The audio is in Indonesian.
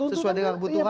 sesuai dengan kebutuhan